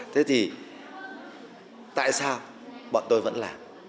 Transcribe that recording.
thế thì tại sao bọn tôi vẫn làm